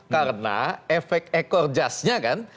karena efek ekor jasnya kan